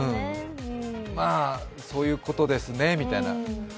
まあ、そういうことですねみたいな。